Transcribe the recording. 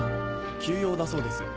急用だそうです。